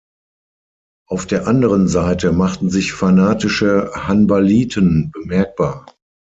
Auf der anderen Seite machten sich fanatische Hanbaliten bemerkbar.